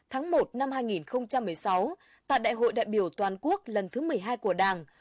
tháng một năm hai nghìn một mươi sáu tại đại hội đại biểu toàn quốc lần thứ một mươi hai của đảng